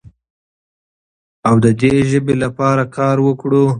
او د دې ژبې لپاره کار وکړو.